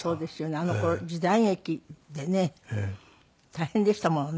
あの頃時代劇でね大変でしたものね